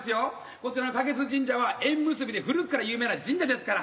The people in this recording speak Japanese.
こちらの花月神社は縁結びで古くから有名な神社ですから。